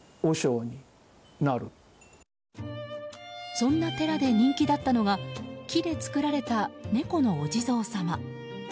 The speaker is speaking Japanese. そんな寺で人気だったのが木で作られた猫のお地蔵様。